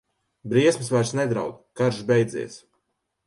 Briesmas vairs nedraud, karš beidzies.